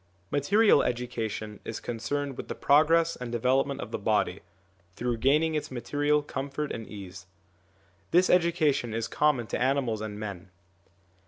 Material education is concerned with the progress and development of the body, through gaining its material comfort and ease. This education is common to animals and man.